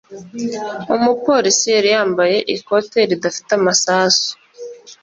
Umupolisi yari yambaye ikoti ridafite amasasu.